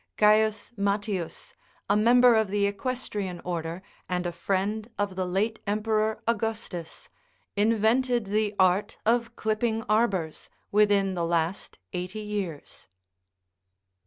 C. Matins,23 a member of the Equestrian order, and a friend of the late Emperor Augustus, invented the art of clipping arbours, within the last eighty years.